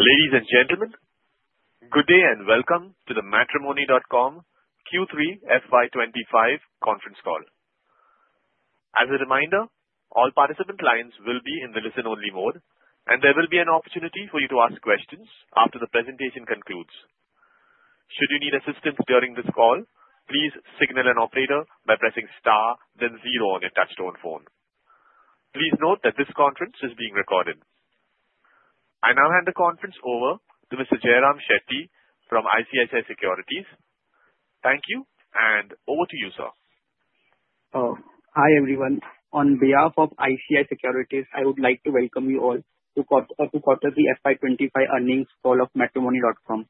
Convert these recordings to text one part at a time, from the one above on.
Ladies and gentlemen, good day and welcome to the Matrimony.com Q3 FY25 Conference Call. As a reminder, all participant lines will be in the listen-only mode, and there will be an opportunity for you to ask questions after the presentation concludes. Should you need assistance during this call, please signal an operator by pressing star, then zero on your touchstone phone. Please note that this conference is being recorded. I now hand the conference over to Mr. Jayram Shetty from ICICI Securities. Thank you, and over to you, sir. Hi, everyone. On behalf of ICICI Securities, I would like to welcome you all to the Quarterly FY25 Earnings Call of Matrimony.com.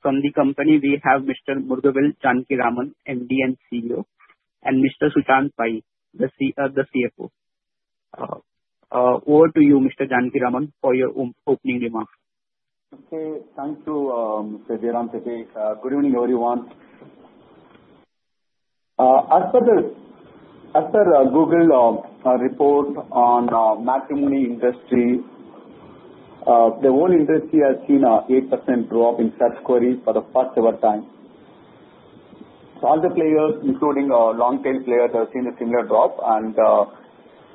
From the company, we have Mr. Murugavel Janakiraman, MD and CEO, and Mr. Sushanth Pai, the CFO. Over to you, Mr. Janakiraman, for your opening remarks. Okay. Thank you, Mr. Jayram Shetty. Good evening, everyone. As per the Google report on matrimony industry, the whole industry has seen an 8% drop in search queries for the first-ever time. All the players, including long-tail players, have seen a similar drop, and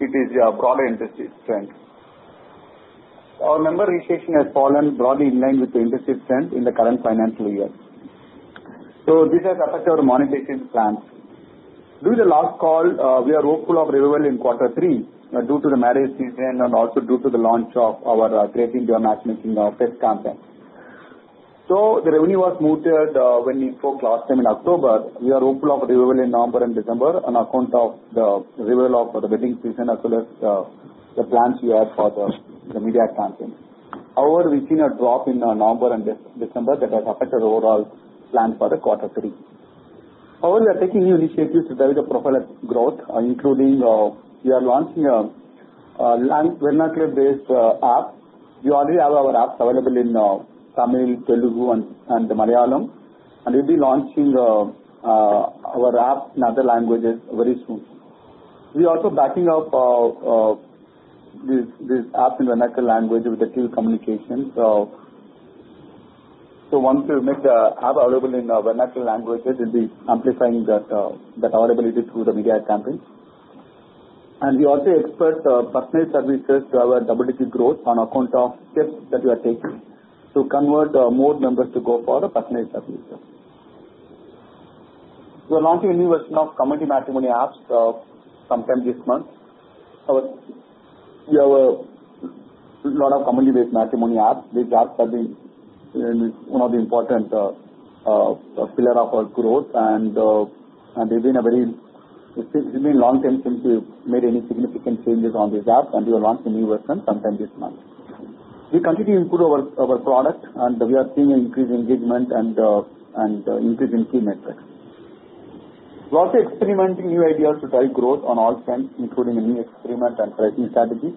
it is a broader industry trend. Our member registration has fallen broadly in line with the industry trend in the current financial year. This has affected our monetization plans. During the last call, we were hopeful of a revival in quarter three due to the marriage season and also due to the launch of our Great Indian Matchmaking Fest campaign. The revenue was muted when we forecast them in October. We are hopeful of a revival in November and December on account of the revival of the wedding season as well as the plans we had for the media campaign. However, we've seen a drop in November and December that has affected our overall plan for quarter three. However, we are taking new initiatives to drive the profile growth, including we are launching a Vernacular-based app. We already have our apps available in Tamil, Telugu, and Malayalam, and we'll be launching our app in other languages very soon. We are also backing up these apps in Vernacular language with the Tili communications. Once we make the app available in Vernacular languages, we'll be amplifying that availability through the media campaign. We also expect personnel services to have a double-digit growth on account of steps that we are taking to convert more members to go for the personnel services. We are launching a new version of community matrimony apps sometime this month. We have a lot of community-based matrimony apps. These apps have been one of the important pillars of our growth, and they've been a very, it's been a long time since we've made any significant changes on these apps, and we are launching a new version sometime this month. We continue to improve our product, and we are seeing an increase in engagement and an increase in key metrics. We're also experimenting with new ideas to drive growth on all fronts, including a new experiment and pricing strategy.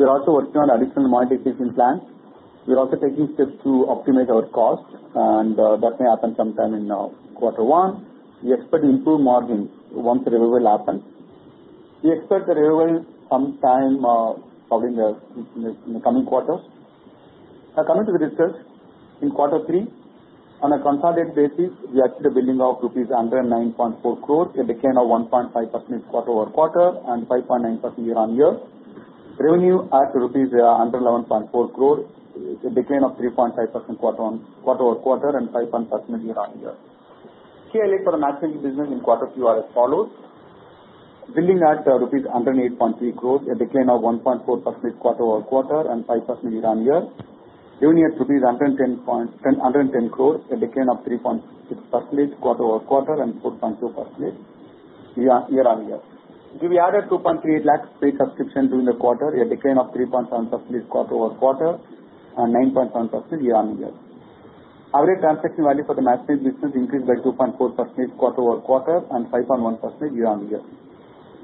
We are also working on additional monetization plans. We're also taking steps to optimize our cost, and that may happen sometime in quarter one. We expect to improve margins once the revival happens. We expect the revival sometime probably in the coming quarters. Coming to the research, in quarter three, on a consolidated basis, we are actually building up rupees 109.4 crores, a decline of 1.5% quarter-over-quarter, and 5.9% year-on-year. Revenue at rupees 111.4 crores, a decline of 3.5% quarter-over-quarter, and 5.1% year-on-year. Here I look for the matrimony business in quarter two as follows: building at INR 108.3 crores, a decline of 1.4% quarter-over-quarter, and 5.1% year-on-year. Revenue at 110 crores, a decline of 3.6% quarter-over-quarter, and 4.2% year-on-year. We added 2.38 lakh paid subscriptions during the quarter, a decline of 3.7% quarter-over-quarter, and 9.7% year-on-year. Average transaction value for the matrimony business increased by 2.4% quarter-over-quarter, and 5.1% year-on-year.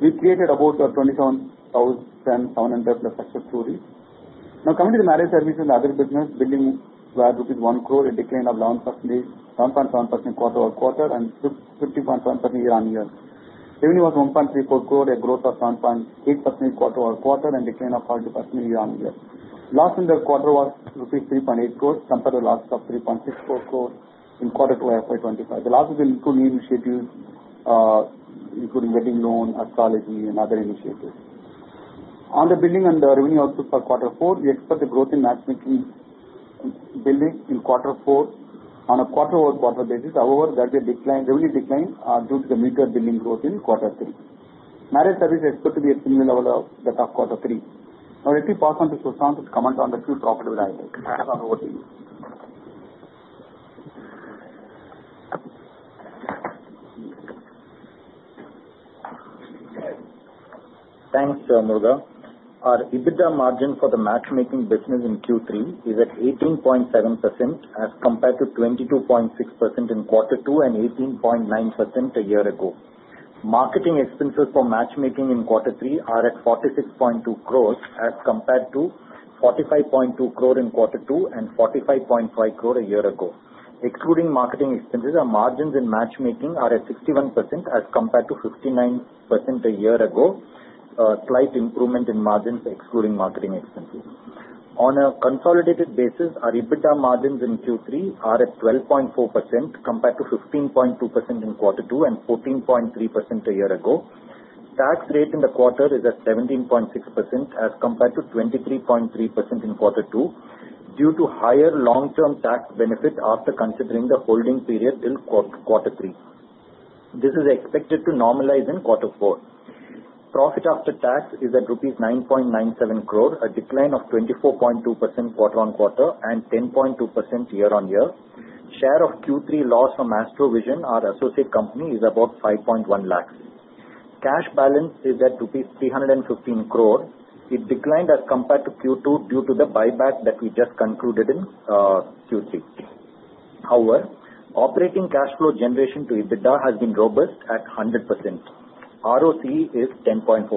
We created about 27,700 plus success stories. Now, coming to the marriage services and other business, billings at rupees 10 million, a decline of 1.7% quarter-over-quarter, and 50.7% year-on-year. Revenue was INR 13.4 million, a growth of 7.8% quarter-over-quarter, and a decline of 40% year-on-year. Loss in the quarter was rupees 38 million compared to the loss of 36.4 million in quarter two of FY 2025. The losses include new initiatives, including wedding loan, astrology, and other initiatives. On the billings and the revenue output for quarter four, we expect the growth in matrimony billings in quarter four on a quarter-over-quarter basis. However, there will be a revenue decline due to the mutual billings growth in quarter three. Marriage services are expected to be at a similar level as quarter three. Now, let me pass on to Sushanth to comment on the few profitable items. I'll pass over to you. Thanks, Murugavel. Our EBITDA margin for the matrimony business in Q3 is at 18.7% as compared to 22.6% in quarter two and 18.9% a year ago. Marketing expenses for matrimony in quarter three are at 46.2 crore as compared to 45.2 crore in quarter two and 45.5 crore a year ago. Excluding marketing expenses, our margins in matrimony are at 61% as compared to 59% a year ago, a slight improvement in margins excluding marketing expenses. On a consolidated basis, our EBITDA margins in Q3 are at 12.4% compared to 15.2% in quarter two and 14.3% a year ago. Tax rate in the quarter is at 17.6% as compared to 23.3% in quarter two due to higher long-term tax benefit after considering the holding period till quarter three. This is expected to normalize in quarter four. Profit after tax is at rupees 9.97 crore, a decline of 24.2% quarter on quarter and 10.2% year-on-year. Share of Q3 loss from Astrovision or associate company is about 510,000. Cash balance is at 315 crore. It declined as compared to Q2 due to the buyback that we just concluded in Q3. However, operating cash flow generation to EBITDA has been robust at 100%. ROC is 10.4%.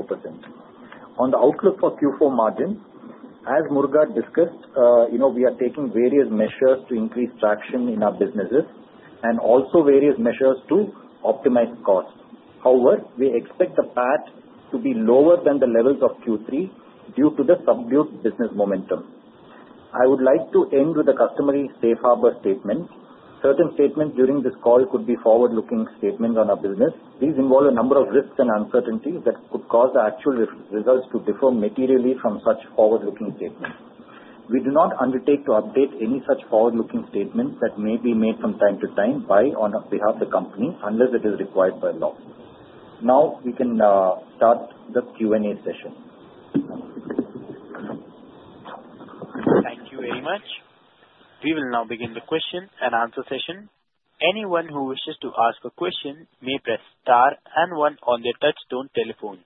On the outlook for Q4 margin, as Murugavel discussed, we are taking various measures to increase traction in our businesses and also various measures to optimize costs. However, we expect the PAT to be lower than the levels of Q3 due to the subdued business momentum. I would like to end with a customary safe harbor statement. Certain statements during this call could be forward-looking statements on our business. These involve a number of risks and uncertainties that could cause the actual results to differ materially from such forward-looking statements. We do not undertake to update any such forward-looking statements that may be made from time to time by or on behalf of the company unless it is required by law. Now, we can start the Q&A session. Thank you very much. We will now begin the question and answer session. Anyone who wishes to ask a question may press star and one on their touchstone telephone.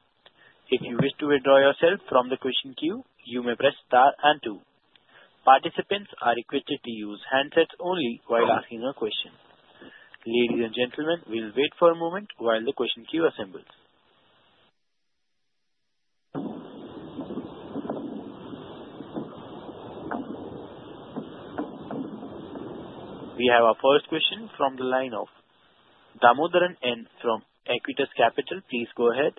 If you wish to withdraw yourself from the question queue, you may press star and two. Participants are requested to use handsets only while asking a question. Ladies and gentlemen, we'll wait for a moment while the question queue assembles. We have our first question from the line of Damodaran N. from Acuitas Capital. Please go ahead.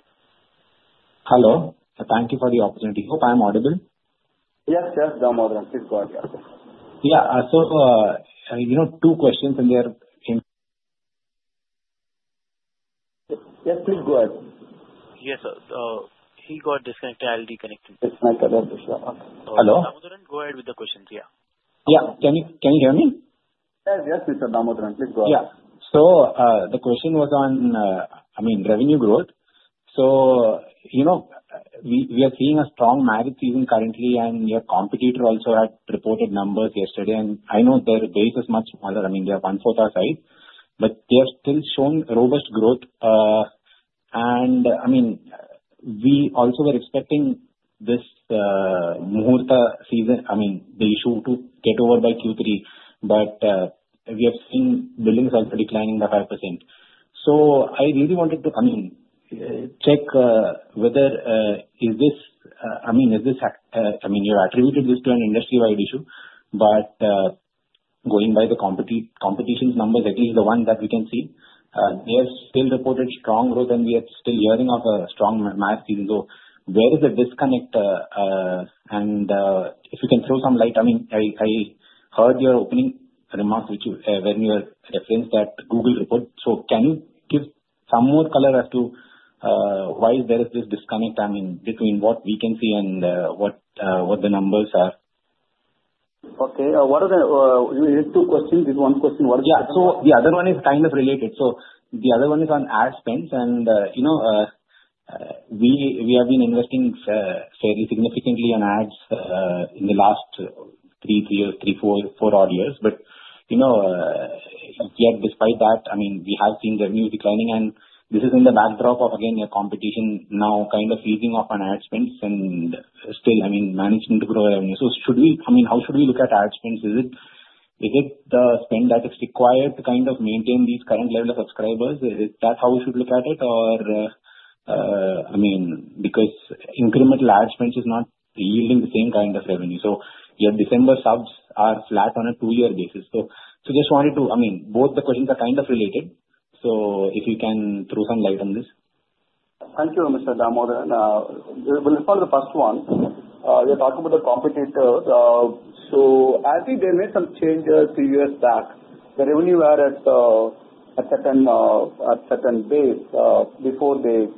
Hello. Thank you for the opportunity. Hope I am audible. Yes, sir. Damodaran. Please go ahead, yourself. Yeah. Two questions, and they're in. Yes, please go ahead. Yes, sir. He got disconnected. I'll reconnect him. Disconnected. Yes, sir. Okay. Hello? Damodaran, go ahead with the questions. Yeah. Yeah. Can you hear me? Yes, yes, sir. Damodaran. Please go ahead. Yeah. The question was on, I mean, revenue growth. We are seeing a strong marriage season currently, and their competitor also had reported numbers yesterday. I know their base is much smaller. They are one-fourth our size, but they have still shown robust growth. I mean, we also were expecting this Muhurta season, the issue to get over by Q3, but we have seen billings also declining by 5%. I really wanted to check whether is this—is this—you attributed this to an industry-wide issue, but going by the competition numbers, at least the one that we can see, they have still reported strong growth, and we are still hearing of a strong marriage season. Where is the disconnect? If you can throw some light—I mean, I heard your opening remarks when you referenced that Google report. Can you give some more color as to why there is this disconnect, I mean, between what we can see and what the numbers are? Okay. What are the—there's two questions. This one question, what is the disconnect? Yeah. The other one is kind of related. The other one is on ad spend. We have been investing fairly significantly in ads in the last three, four odd years. Yet, despite that, we have seen revenues declining, and this is in the backdrop of, again, a competition now kind of easing off on ad spend and still managing to grow revenue. Should we—how should we look at ad spend? Is it the spend that is required to maintain these current level of subscribers? Is that how we should look at it? Because incremental ad spend is not yielding the same kind of revenue. Your December subs are flat on a two-year basis. Just wanted to—both the questions are kind of related. If you can throw some light on this. Thank you, Mr. Damodaran. We'll respond to the first one. We are talking about the competitor. As we made some changes a few years back, the revenue was at a certain base before they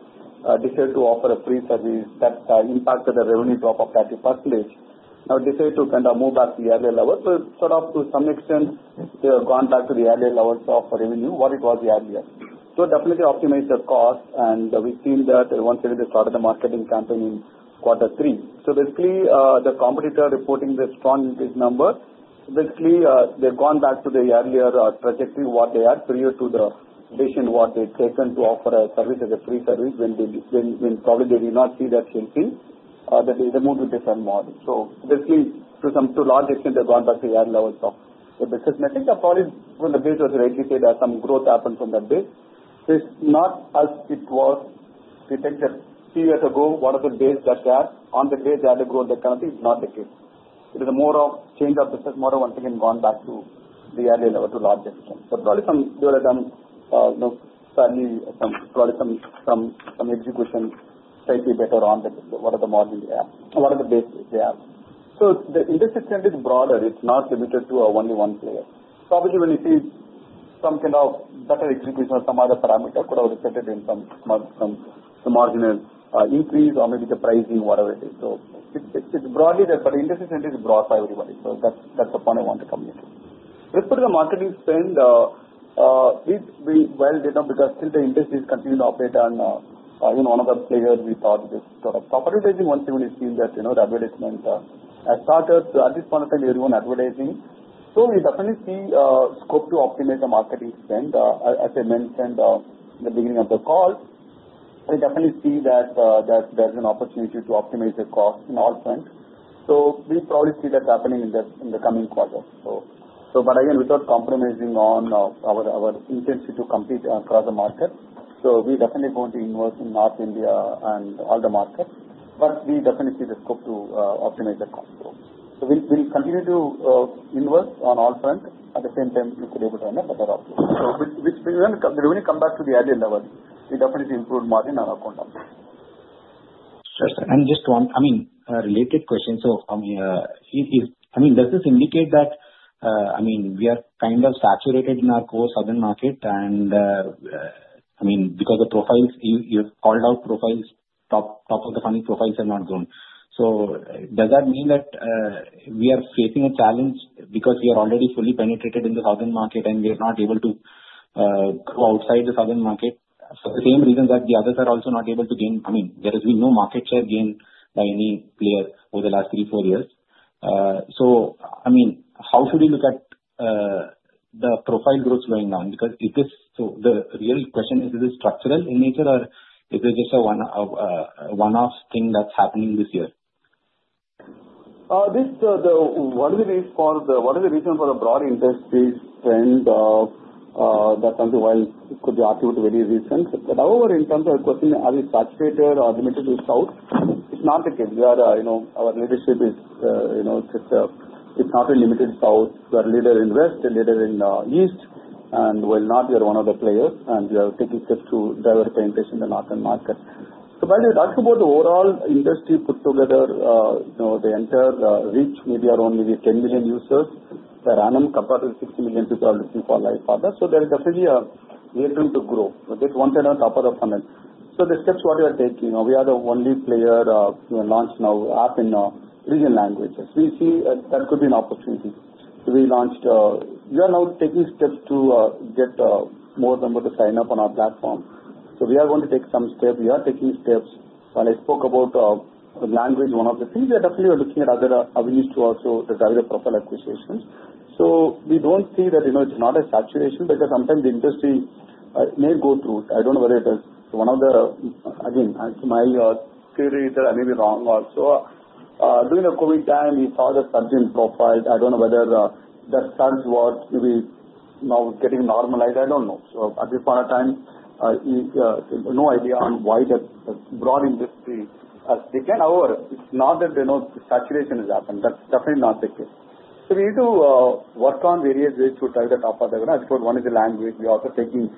decided to offer a free service that impacted the revenue drop of 30%. Now, they decided to kind of move back to the early level, but to some extent, they have gone back to the early level of revenue what it was earlier. Definitely optimized the cost, and we've seen that once again they started the marketing campaign in quarter three. The competitor is reporting strong numbers. Basically, they've gone back to the earlier trajectory what they had prior to the decision what they've taken to offer a service as a free service when probably they did not see that shifting, that they moved to different models. Basically, to some large extent, they've gone back to the early levels of the business. I think that probably when the base was eradicated, some growth happened from that base. It's not as it was detected a few years ago, what was the base that they had. On the base, they had a growth. Currently, it's not the case. It is more of change of business model once again gone back to the early level to large extent. Probably suddenly, probably some execution slightly better on what are the models they have or what are the bases they have. The industry trend is broader. It's not limited to only one player. Probably when you see some kind of better execution or some other parameter, it could have resulted in some marginal increase or maybe the pricing, whatever it is. It is broadly there, but the industry trend is broad for everybody. That is the point I wanted to communicate. With the marketing spend, it has been well laid out because still the industry is continuing to operate on one of the players we thought is sort of profitability. Once again, we have seen that the advertisement has started. At this point in time, everyone is advertising. We definitely see scope to optimize the marketing spend. As I mentioned in the beginning of the call, we definitely see that there is an opportunity to optimize the cost in all fronts. We probably see that happening in the coming quarter. Again, without compromising on our intent to compete across the market. We definitely want to invest in North India and all the markets, but we definitely see the scope to optimize the cost. We will continue to invest on all fronts. At the same time, we could be able to run a better operation. When we come back to the early levels, we definitely improve margin on account of that. Sure. Just one, I mean, related question. Does this indicate that, I mean, we are kind of saturated in our core southern market? I mean, because the profiles, you have called out profiles, top of the funnel profiles have not grown. Does that mean that we are facing a challenge because we are already fully penetrated in the southern market and we are not able to go outside the southern market for the same reason that the others are also not able to gain? There has been no market share gain by any player over the last three, four years. How should we look at the profile growth going on? The real question is, is it structural in nature or is it just a one-off thing that's happening this year? One of the reasons for the broad industry spend, that's something while it could be argued very recent. However, in terms of the question, are we saturated or limited in South? It's not the case. Our leadership is just not limited in South. We are later in West and later in East. While not, we are one of the players and we are taking steps to develop penetration in the northern market. By the way, talking about the overall industry put together, the entire reach may be around maybe 10 million users, random compared to the 60 million people are looking for life partner. There is definitely a way to grow. We'll get one center top of the funnel. The steps what we are taking. We are the only player who launched now app in three different languages. We see that could be an opportunity. We launched. We are now taking steps to get more number to sign up on our platform. We are going to take some steps. We are taking steps. When I spoke about language, one of the things we are definitely looking at, other avenues to also drive the profile acquisitions. We do not see that it is a saturation because sometimes the industry may go through. I do not know whether it is. Again, my theory is that I may be wrong also. During the COVID time, we saw the surge in profiles. I do not know whether the surge was maybe now getting normalized. I do not know. At this point in time, no idea on why the broad industry has taken. However, it is not that the saturation has happened. That is definitely not the case. We need to work on various ways to drive the top of the funnel. As I told, one is the language. We are also taking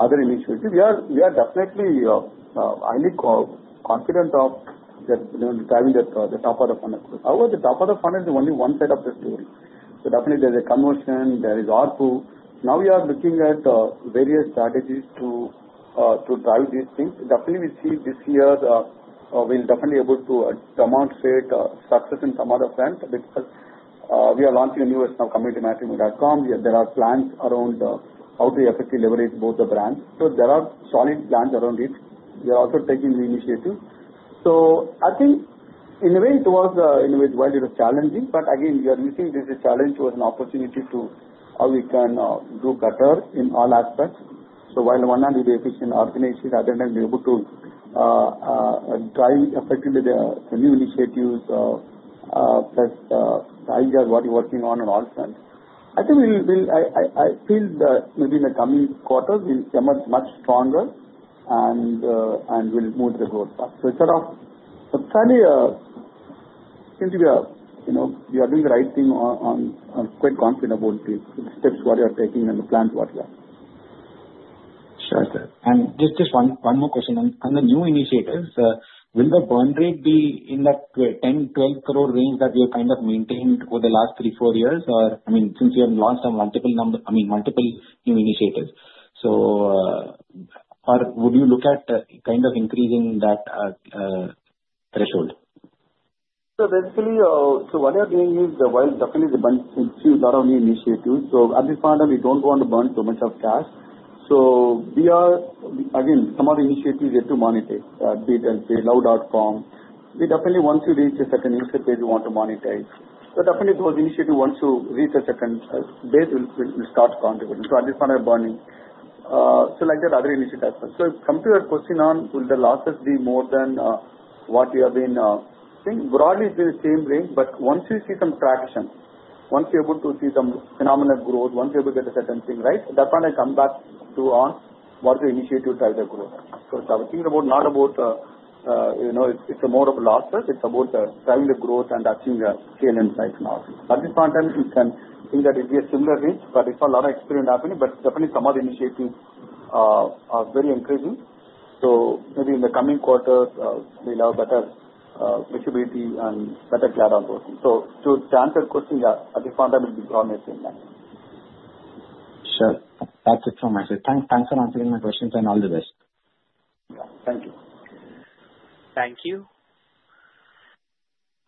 other initiatives. We are definitely highly confident of driving the top of the funnel. However, the top of the funnel is only one side of the story. There is a conversion. There is R2. Now, we are looking at various strategies to drive these things. Definitely, we see this year we're definitely able to demonstrate success in some other front because we are launching a new website now, CommunityMatrimony.com. There are plans around how to effectively leverage both the brands. There are solid plans around it. We are also taking the initiative. I think in a way, it was in a way while it was challenging. Again, we are using this challenge as an opportunity to see how we can do better in all aspects. While on one hand, we be efficient in our organization, the other hand, we're able to drive effectively the new initiatives, the ideas what we're working on in all fronts. I think I feel that maybe in the coming quarters, we'll emerge much stronger and we'll move the growth up. It sort of certainly seems to be a we are doing the right thing, I'm quite confident about the steps what we are taking and the plans what we are. Sure. Just one more question. On the new initiatives, will the burn rate be in that 10-12 crore range that we have kind of maintained over the last three, four years? I mean, since we have launched on multiple, I mean, multiple new initiatives. Would you look at kind of increasing that threshold? Basically, what we are doing is while definitely the burn seems to be not only initiatives. At this point in time, we do not want to burn too much of cash. We are, again, some of the initiatives we have to monetize, be it LTLO.com. We definitely, once we reach a certain infant base, want to monetize. Definitely, those initiatives, once you reach a certain base, will start contributing. At this point, we are burning. Like that, other initiative as well. To your question on, will the losses be more than what we have been seeing, broadly, it has been the same range. Once you see some traction, once you are able to see some phenomenal growth, once you are able to get a certain thing right, that is when I come back to ask what is the initiative driving the growth. I was thinking about not about it's more of a losses. It's about driving the growth and achieving the scale inside and out. At this point in time, we can think that it'd be a similar range, but it's not a lot of experience happening. Definitely, some of the initiatives are very encouraging. Maybe in the coming quarter, we'll have better visibility and better clarity on those things. To answer your question, yeah, at this point in time, it'll be broadly the same language. Sure. That is it from my side. Thanks for answering my questions. All the best. Yeah. Thank you. Thank you.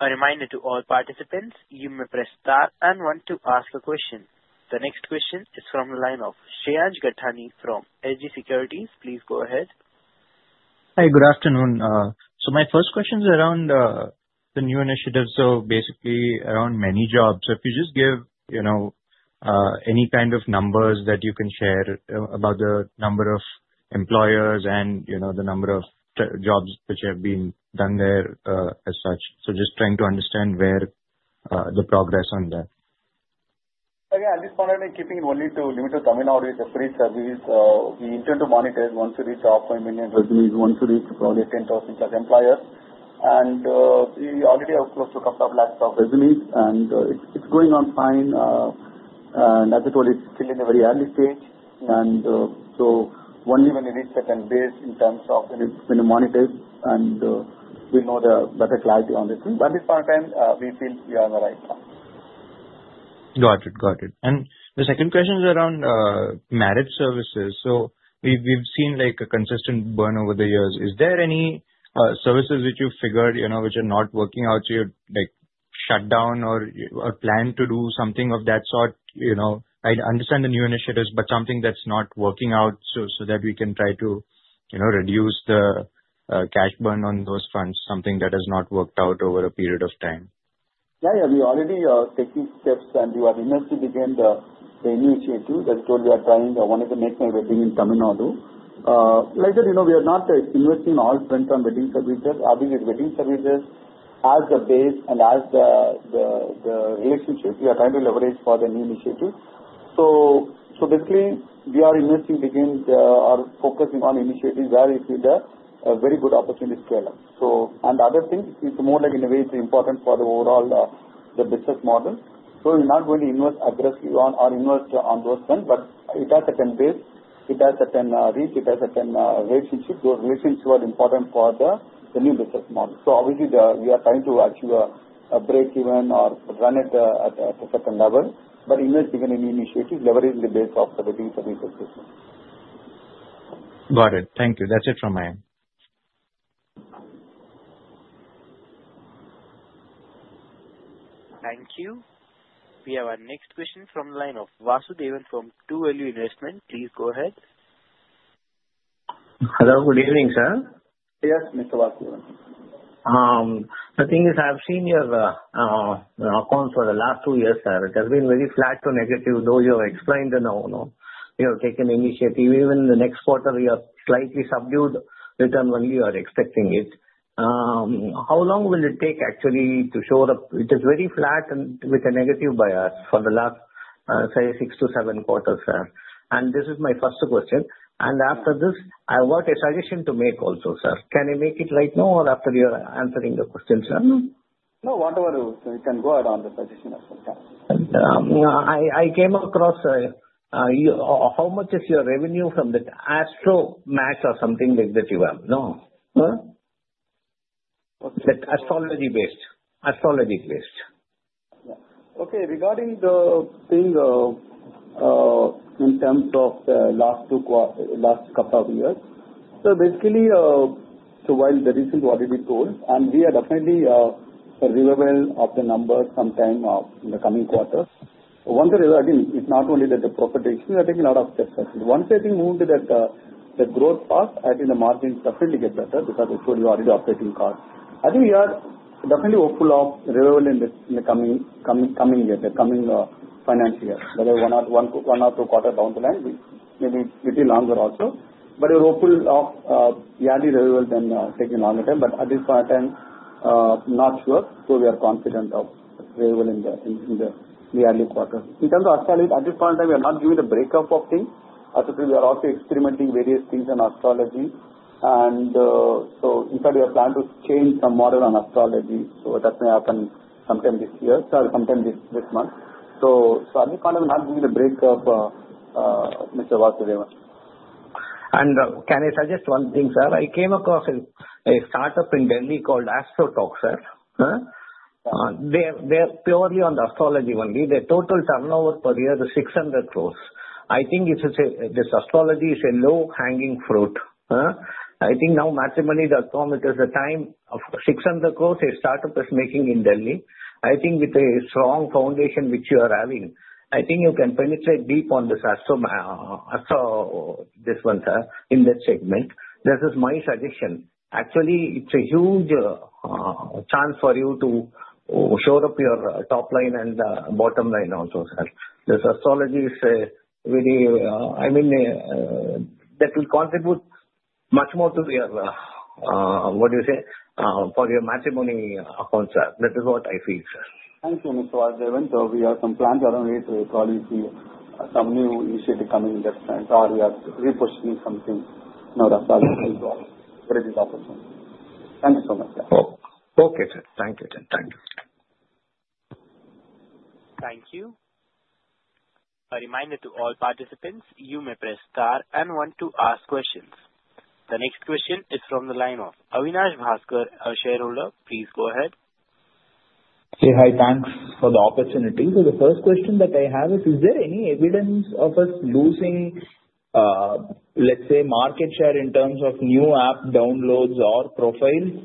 A reminder to all participants, you may press star and one to ask a question. The next question is from the line of Shehaj Gattani from Axis Securities. Please go ahead. Hi. Good afternoon. My first question is around the new initiative. Basically, around ManyJobs. If you just give any kind of numbers that you can share about the number of employers and the number of jobs which have been done there as such. Just trying to understand where the progress on that. Again, at this point in time, keeping it only to limit to terminal with the free services. We intend to monetize once we reach our 5 million resumes, once we reach probably 10,000-plus employers. We already have close to a couple of lakhs of resumes. It is going on fine. As I told, it is still in a very early stage. Only when we reach certain base in terms of when it is been monetized, we will know the better clarity on this thing. At this point in time, we feel we are on the right track. Got it. Got it. The second question is around merit services. We've seen a consistent burn over the years. Is there any services which you've figured which are not working out? You'd shut down or plan to do something of that sort? I understand the new initiatives, but something that's not working out so that we can try to reduce the cash burn on those funds, something that has not worked out over a period of time? Yeah. Yeah. We already are taking steps, and we are investing again in the new initiative. As I told, we are trying one is to make my wedding in Tamil Nadu. Like I said, we are not investing in all fronts on wedding services. Having wedding services as a base and as the relationship, we are trying to leverage for the new initiative. Basically, we are investing again or focusing on initiatives where it is a very good opportunity to develop. Other things, it's more like in a way, it's important for the overall business model. We are not going to invest aggressively on or invest on those fronts, but it has a certain base. It has a certain reach. It has a certain relationship. Those relationships are important for the new business model. Obviously, we are trying to achieve a break-even or run it at a certain level. But investing in new initiatives, leveraging the base of the wedding services business. Got it. Thank you. That's it from my end. Thank you. We have our next question from the line of Vasudevan from Two Value Investment. Please go ahead. Hello. Good evening, sir. Yes, Mr. Vasudevan. The thing is, I have seen your accounts for the last two years, sir. It has been very flat to negative. Though you have explained and you have taken the initiative, even in the next quarter, you have slightly subdued return when you are expecting it. How long will it take actually to show up? It is very flat and with a negative bias for the last, say, six to seven quarters, sir. This is my first question. After this, I have got a suggestion to make also, sir. Can I make it right now or after you are answering the question, sir? No. No. Whatever, you can go ahead on the suggestion as well. I came across how much is your revenue from the AstroTalk or something like that you have? No? Huh? That's astrology-based. Astrology-based. Yeah. Okay. Regarding the thing in terms of the last couple of years, so basically, while the recent what we told, and we are definitely a river well of the numbers sometime in the coming quarters. Again, it's not only that the profit is increasing. I think a lot of steps are taken. Once I think moving to that growth path, I think the margins definitely get better because I told you already operating costs. I think we are definitely hopeful of river well in the coming year, the coming financial year. Whether one or two quarters down the line, maybe a bit longer also. We are hopeful of the early river well than taking longer time. At this point in time, not sure. We are confident of river well in the early quarters. In terms of astrology, at this point in time, we are not giving the breakup of things. As I told you, we are also experimenting various things on astrology. In fact, we are planning to change some model on astrology. That may happen sometime this year, sir, sometime this month. At this point in time, we're not giving the breakup, Mr. Vasudevan. Can I suggest one thing, sir? I came across a startup in Delhi called AstroTalk, sir. They are purely on the astrology only. The total turnover per year is 600 crore. I think this astrology is a low-hanging fruit. I think now, matrimony, the automate, there is a time of 600 crore a startup is making in Delhi. I think with a strong foundation which you are having, I think you can penetrate deep on this one, sir, in that segment. This is my suggestion. Actually, it's a huge chance for you to show up your top line and bottom line also, sir. This astrology is very, I mean, that will contribute much more to your, what do you say, for your matrimony accounts, sir. That is what I feel, sir. Thank you, Mr. Vasudevan. We have some plans along the way to call you to some new initiative coming in that front. We are repositioning something in our astrology as well. Great opportunity. Thank you so much, sir. Okay, sir. Thank you, sir. Thank you. Thank you. A reminder to all participants, you may press star and one to ask questions. The next question is from the line of Avinash Bhaskar, a shareholder. Please go ahead. Hi, thanks for the opportunity. The first question that I have is, is there any evidence of us losing, let's say, market share in terms of new app downloads or profiles?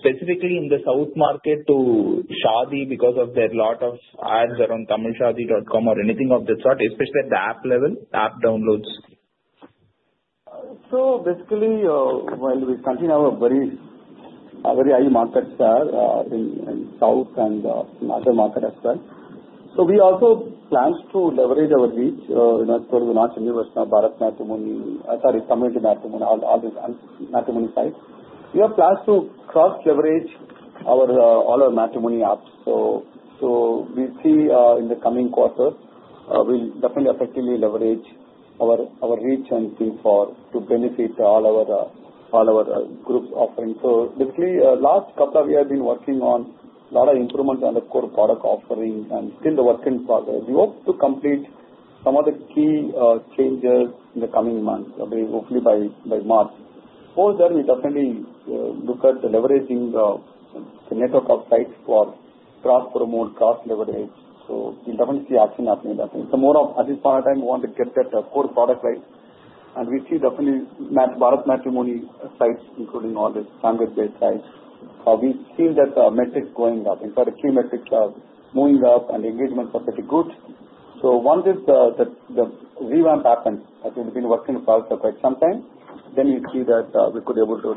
Specifically in the South market to Shaadi because of their lot of ads around TamilShaadi.com or anything of the sort, especially at the app level, app downloads? Basically, while we continue our very high market share in South and other markets as well, we also plan to leverage our reach. As I told you, we launched Universal Mahabharata Matrimony. Sorry, coming to Matrimony, all these Matrimony sites. We have plans to cross-leverage all our Matrimony apps. We see in the coming quarter, we'll definitely effectively leverage our reach and things to benefit all our group's offering. Basically, the last couple of years, we have been working on a lot of improvements on the core product offering and still the work is in progress. We hope to complete some of the key changes in the coming months, hopefully by March. For that, we definitely look at leveraging the network of sites to cross-promote, cross-leverage. We'll definitely see action happening that way. At this point in time, we want to get that core product right. We see definitely BharatMatrimony sites, including all the Tamil-based sites. We've seen that the metrics going up. In fact, the key metrics are moving up and the engagement is pretty good. Once the revamp happens, as we've been working for quite some time, we see that we could be able to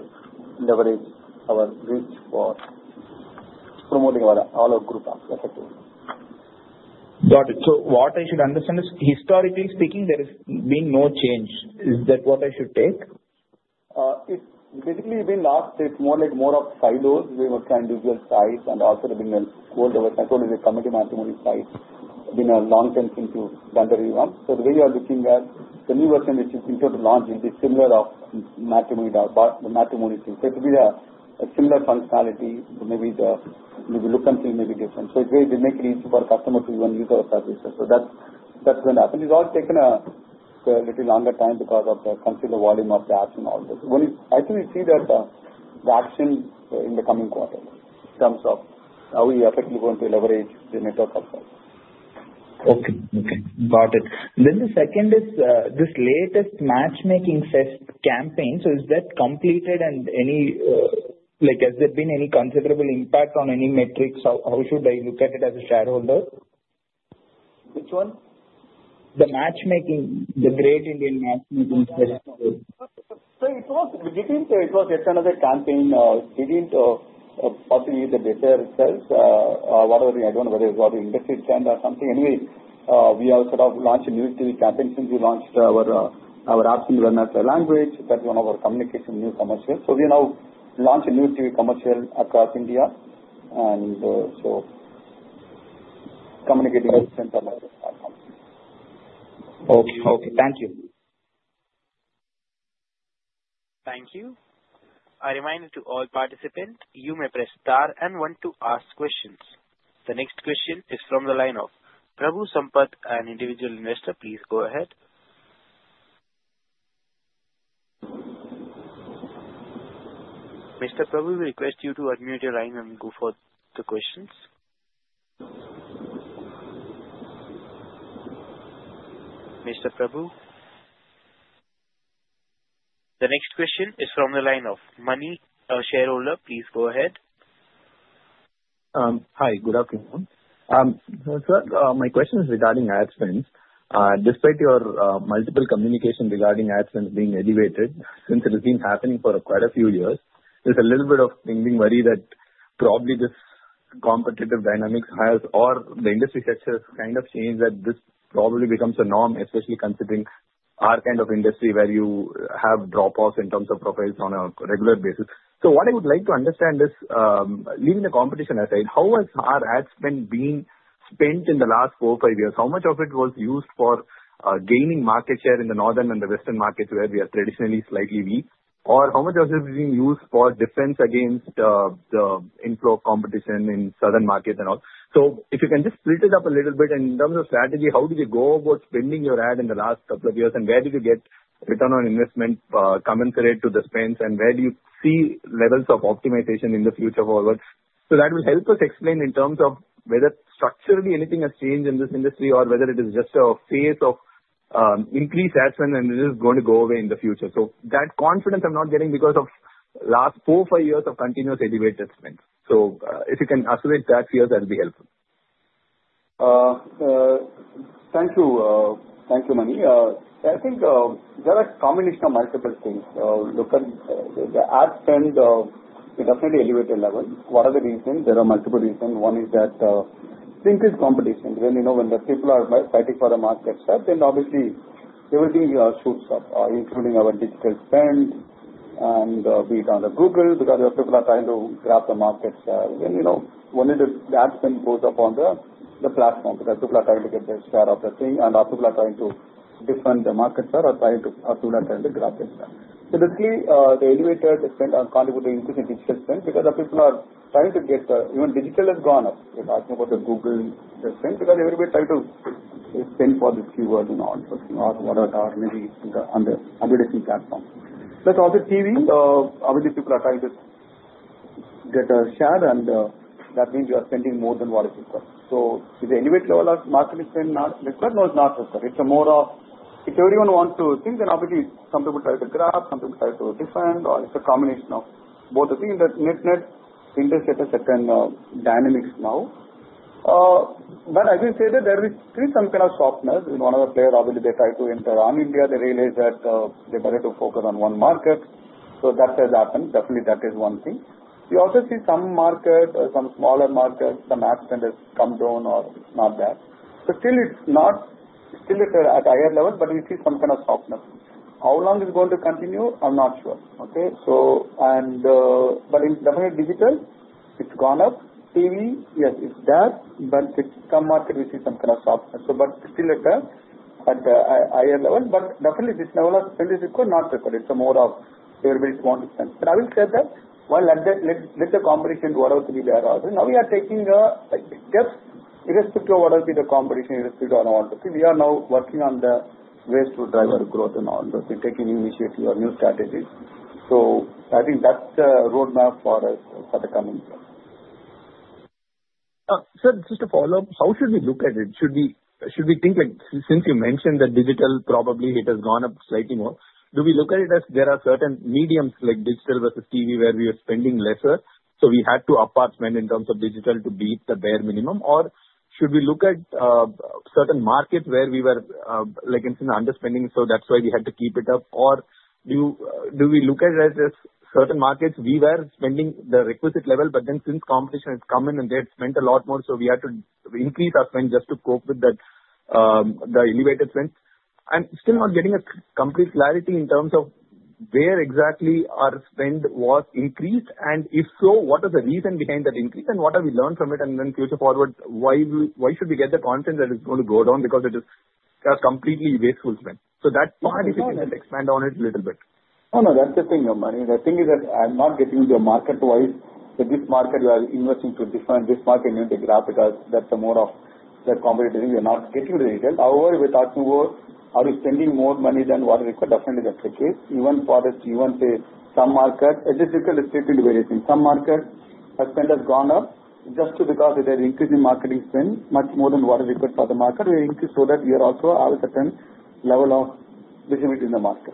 leverage our reach for promoting all our group effectively. Got it. What I should understand is, historically speaking, there has been no change. Is that what I should take? It's basically been last, it's more like more of silos. We were trying to do sites and also the Bengal Gold Awards. As I told you, the CommunityMatrimony sites have been a long-term thing to do the revamp. The way we are looking at the new version which is intended to launch will be similar to Matrimony things. It will be a similar functionality. Maybe the look and feel may be different. It will make it easy for customers to even use our services. That's going to happen. It's all taken a little longer time because of the considerable volume of the action also. I think we see that the action in the coming quarter in terms of how we effectively want to leverage the network ourselves. Okay. Okay. Got it. The second is this latest matchmaking fest campaign. Is that completed? Has there been any considerable impact on any metrics? How should I look at it as a shareholder? Which one? The matchmaking, the Great Indian Matchmaking Fest. It was yet another campaign. We did not populate the data itself or whatever. I do not know whether it was all the industry trend or something. Anyway, we have sort of launched a new TV campaign since we launched our apps in the language. That is one of our communication new commercials. We now launched a new TV commercial across India, communicating in terms of our platform. Okay. Okay. Thank you. Thank you. A reminder to all participants, you may press star and one to ask questions. The next question is from the line of Prabhu Sampath, an individual investor. Please go ahead. Mr. Prabhu, we request you to unmute your line and go for the questions. Mr. Prabhu? The next question is from the line of Maneet, a shareholder. Please go ahead. Hi. Good afternoon. My question is regarding ad spend. Despite your multiple communications regarding ad spend being elevated, since it has been happening for quite a few years, there is a little bit of worry that probably this competitive dynamics has or the industry sector has kind of changed that this probably becomes a norm, especially considering our kind of industry where you have drop-offs in terms of profiles on a regular basis. What I would like to understand is, leaving the competition aside, how has our ad spend been spent in the last four or five years? How much of it was used for gaining market share in the northern and the western markets where we are traditionally slightly weak? Or how much of it has been used for defense against the inflow of competition in southern markets and all? If you can just split it up a little bit in terms of strategy, how did you go about spending your ad in the last couple of years? Where did you get return on investment commensurate to the spends? Where do you see levels of optimization in the future forward? That will help us explain in terms of whether structurally anything has changed in this industry or whether it is just a phase of increased ad spend and it is going to go away in the future. That confidence I'm not getting because of last four or five years of continuous elevated spend. If you can assimilate that here, that will be helpful. Thank you, Maneet. I think there are a combination of multiple things. Look at the ad spend, it is definitely elevated level. What are the reasons? There are multiple reasons. One is that increased competition. When people are fighting for the market, sir, then obviously everything shoots up, including our digital spend and we are on the Google because people are trying to grab the market, sir. When the ad spend goes up on the platform because people are trying to get their share of the thing and people are trying to defend the market, sir, or people are trying to grab it, sir. Basically, the elevated spend is contributing to the digital spend because people are trying to get even digital has gone up. You are talking about the Google spend because everybody is trying to spend for this keyword and all, whatever, maybe on the other platforms. Plus, also TV, obviously people are trying to get a share and that means you are spending more than what it is worth. Is the elevated level of marketing spend not? No, it's not, sir. It's more of if everyone wants to think, then obviously some people try to grab, some people try to defend, or it's a combination of both. I think that net-net interest rate has certain dynamics now. I would say that there is still some kind of softness in one of the players. Obviously, they try to enter on India. They realize that they better to focus on one market. That has happened. Definitely, that is one thing. We also see some market, some smaller markets, the ad spend has come down or not that. Still, it's not still at a higher level, but we see some kind of softness. How long is it going to continue? I'm not sure. Okay? Definitely, digital, it's gone up. TV, yes, it's there. In some market, we see some kind of softness, but still at a higher level. Definitely, this level of spend is equal, not equal. It's more of everybody's wanting spend. I will say that while let the competition, whatever it will be there also. Now we are taking a step irrespective of whatever be the competition, irrespective of whatever it will be. We are now working on the ways to drive our growth and all. We're taking new initiatives or new strategies. I think that's the roadmap for us for the coming year. Sir, just to follow up, how should we look at it? Should we think, since you mentioned that digital probably it has gone up slightly more, do we look at it as there are certain mediums like digital versus TV where we are spending lesser, so we had to up our spend in terms of digital to beat the bare minimum? Should we look at certain markets where we were, like in the under spending, so that's why we had to keep it up? Should we look at it as certain markets we were spending the requisite level, but then since competition has come in and they had spent a lot more, we had to increase our spend just to cope with the elevated spend? I'm still not getting a complete clarity in terms of where exactly our spend was increased. If so, what is the reason behind that increase? What have we learned from it? Future forward, why should we get the confidence that it's going to go down because it is a completely wasteful spend? That part, if you can just expand on it a little bit. Oh, no. That's the thing, Maneet. The thing is that I'm not getting into market-wise. This market, you are investing to define this market, you need to grab because that's more of the competitor. You're not getting the details. However, if we're talking about are you spending more money than what is required, definitely that's the case. Even for the T1, say, some market, it is difficult to state in various things. Some market, our spend has gone up just because it has increased in marketing spend much more than what is required for the market. We increased so that we are also at a certain level of visibility in the market.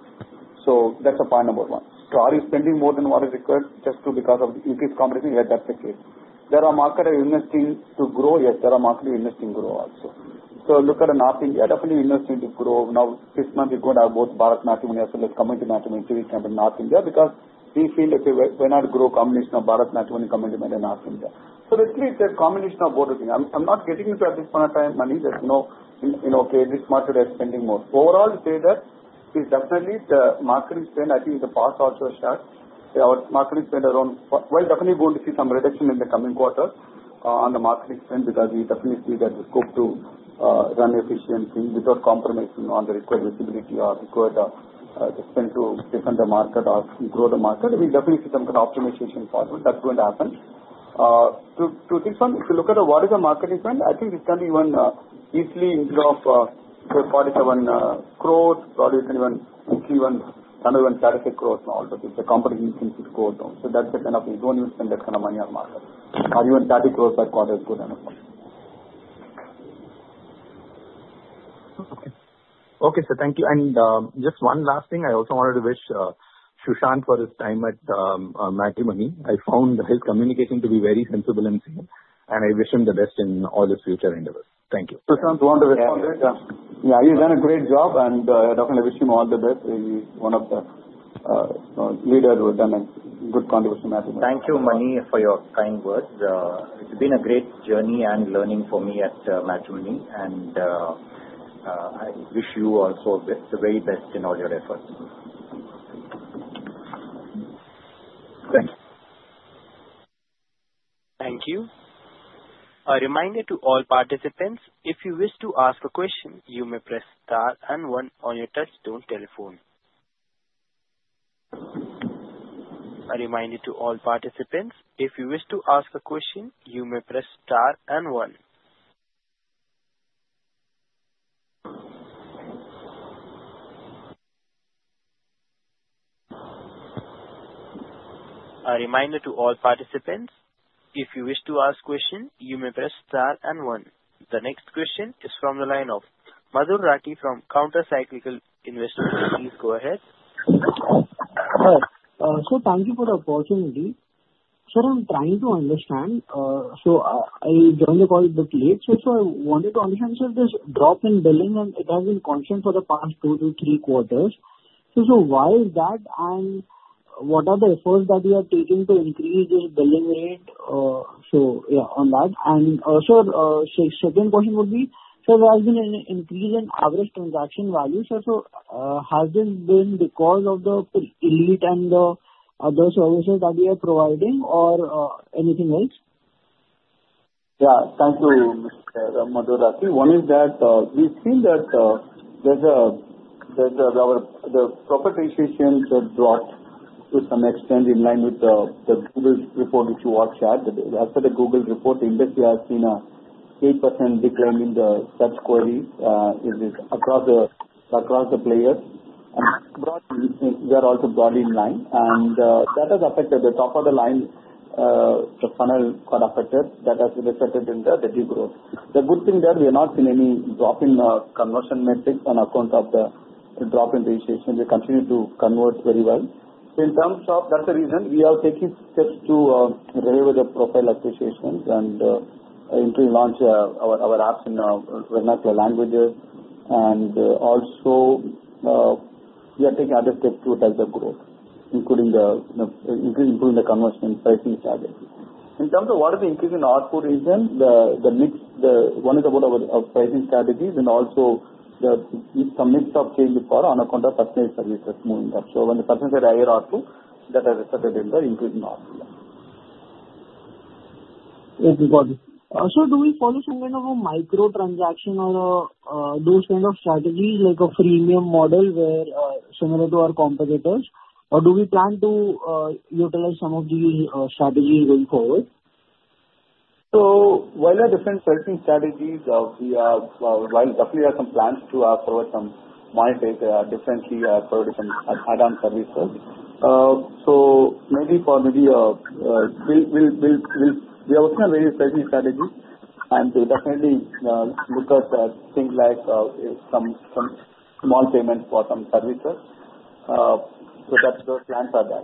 That's the point number one. Are you spending more than what is required just because of increased competition? Yes, that's the case. There are markets that are investing to grow? Yes, there are markets investing to grow also. Look at North India. Definitely, we invested to grow. Now, six months ago, both BharatMatrimony as well as CommunityMatrimony and TV campaign, North India, because we feel that we're not a growth combination of BharatMatrimony and CommunityMatrimony in North India. Basically, it's a combination of both things. I'm not getting into at this point of time, Maneet, that okay, this market is spending more. Overall, to say that is definitely the marketing spend. I think in the past also, sir, our marketing spend around, definitely going to see some reduction in the coming quarter on the marketing spend because we definitely see that we cook to run efficiently without compromising on the required visibility or required spend to defend the market or grow the market. We definitely see some kind of optimization forward. That's going to happen. To this one, if you look at what is the marketing spend, I think it's going to even easily in terms of 47 crore, probably it can even INR 31-32 crore and all because the competition seems to go down. That's the kind of thing. Don't even spend that kind of money on market. Or even 30 crore per quarter is good enough. Okay. Okay, sir, thank you. Just one last thing. I also wanted to wish Sushanth for his time at Matrimony. I found his communication to be very sensible and clear. I wish him the best in all his future endeavors. Thank you. Shushant, wonderful. Thank you. Yeah, you've done a great job. I definitely wish him all the best. He's one of the leaders who have done a good contribution to Matrimony.com. Thank you, Maneet, for your kind words. It has been a great journey and learning for me at Matrimony. I wish you also the very best in all your efforts. Thank you. Thank you. A reminder to all participants, if you wish to ask a question, you may press star and one on your touchstone telephone. A reminder to all participants, if you wish to ask a question, you may press star and one. The next question is from the line of Madhur Rathi from Counter Cyclical Investments. Please go ahead. Hi. Thank you for the opportunity. Sir, I'm trying to understand. I joined the call a bit late. I wanted to understand, sir, this drop in billing, it has been constant for the past two to three quarters. Why is that? What are the efforts that you are taking to increase this billing rate? On that. Also, second question would be, sir, there has been an increase in average transaction value. Has this been because of the elite and the other services that you are providing or anything else? Yeah. Thank you, Mr. Madhur Rathi. One is that we've seen that there's the property issues that dropped to some extent in line with the Google report which you all shared. As per the Google report, the industry has seen an 8% decline in the search queries across the players. We are also broadly in line. That has affected the top of the line, the funnel got affected. That has resulted in the degrowth. The good thing there, we have not seen any drop in conversion metrics on account of the drop in the issues. We continue to convert very well. In terms of that's the reason we are taking steps to relieve the profile associations and launch our apps in vernacular languages. We are also taking other steps to address the growth, including improving the conversion pricing strategy. In terms of what is the increase in output, is there, the mix one is about our pricing strategies and also some mix of changes on account of personal services moving up. So when the personal say a year or two, that has resulted in the increase in output. That's important. Sir, do we follow some kind of a micro transaction or those kind of strategies like a freemium model similar to our competitors? Or do we plan to utilize some of these strategies going forward? While there are different pricing strategies, we definitely have some plans to offer some monetary differently for different add-on services. Maybe we are working on various pricing strategies. We definitely look at things like some small payments for some services. Those plans are there.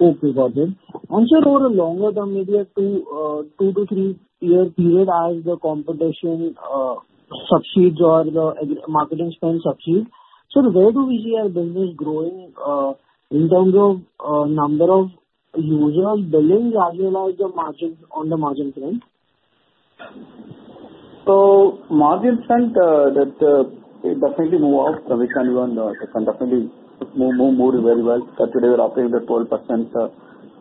That's important. Sir, over a longer term, maybe two- to three-year period, as the competition subsides or the marketing spend subsides, sir, where do we see our business growing in terms of number of users, billing, as well as the margin on the margin spend? Margin spend, it definitely moves up. We can even definitely move very well. Today, we're operating at 12%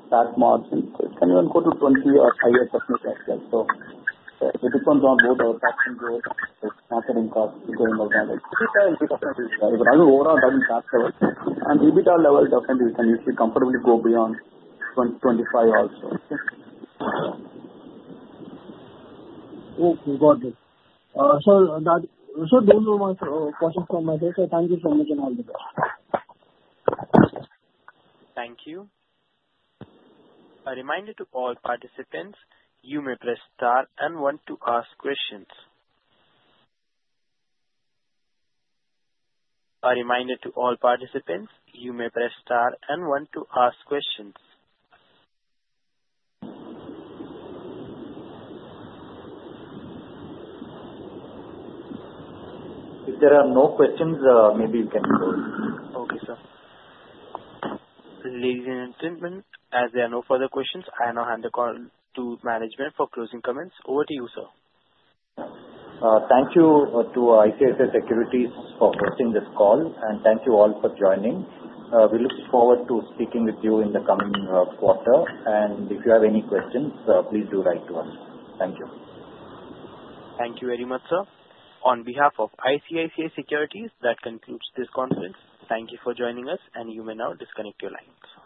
tax margin. It can even go to 20% or higher percentage as well. It depends on both our tax and growth and marketing costs going over. EBITDA is definitely very good. I mean, overall, it doesn't tax us. At EBITDA level, definitely we can easily comfortably go beyond 25% also. Okay. Okay, got it. Sir, those were my questions for my day. Thank you so much and all the best. Thank you. A reminder to all participants, you may press star and one to ask questions. If there are no questions, maybe we can close. Okay, sir. As there are no further questions, I now hand the call to management for closing comments. Over to you, sir. Thank you to ICICI Securities for hosting this call. Thank you all for joining. We look forward to speaking with you in the coming quarter. If you have any questions, please do write to us. Thank you. Thank you very much, sir. On behalf of ICICI Securities, that concludes this conference. Thank you for joining us, and you may now disconnect your lines.